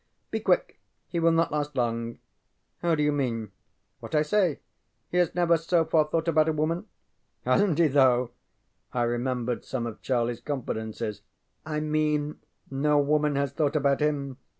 Be quick; he will not last long. ŌĆØ ŌĆ£How do you mean? ŌĆØ ŌĆ£What I say. He has never, so far, thought about a woman. ŌĆØ ŌĆ£HasnŌĆÖt he, though! ŌĆØ I remembered some of CharlieŌĆÖs confidences. ŌĆ£I mean no woman has thought about him.